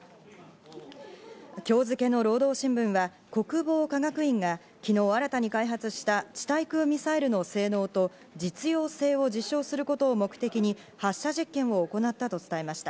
今日付の労働新聞は国防科学院が昨日、新たに開発した地対空ミサイルの性能と実用性を実証することを目的に発射実験を行ったと伝えました。